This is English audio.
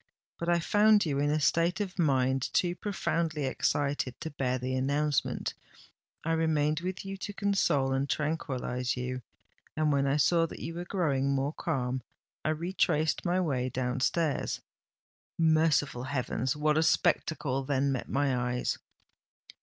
But I found you in a state of mind too profoundly excited to bear the announcement—I remained with you to console and tranquillise you—and, when I saw that you were growing more calm, I retraced my way down stairs. Merciful heavens! what a spectacle then met my eyes!"